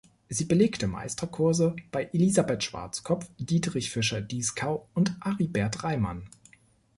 Sie belegte Meisterkurse bei Elisabeth Schwarzkopf, Dietrich Fischer-Dieskau und Aribert Reimann.